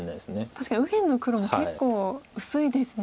確かに右辺の黒も結構薄いですね。